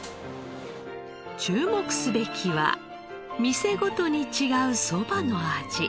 注目すべきは店ごとに違うそばの味。